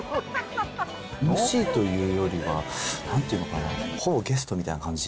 ＭＣというよりは、なんていうのかな、ほぼゲストみたいな感じ？